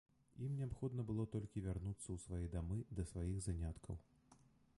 Ім неабходна было толькі вярнуцца ў свае дамы, да сваіх заняткаў.